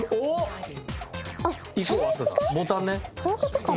そういう事かな？